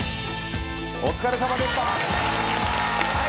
お疲れさまでした。